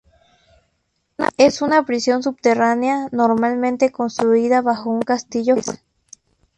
Es una prisión subterránea, normalmente construida bajo un castillo o fortaleza.